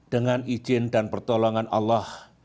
dengan izin dan pertolongan allah